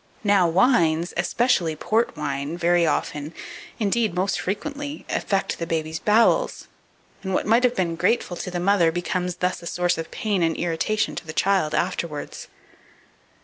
Now wines, especially port wine, very often indeed, most frequently affect the baby's bowels, and what might have been grateful to the mother becomes thus a source of pain and irritation to the child afterwards.